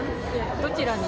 どちらに？